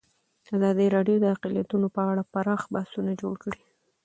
ازادي راډیو د اقلیتونه په اړه پراخ بحثونه جوړ کړي.